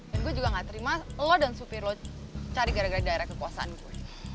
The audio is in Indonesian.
dan gue juga nggak terima lu dan supir lu cari gara gara daerah kekuasaan gue